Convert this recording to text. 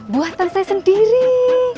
buatan saya sendiri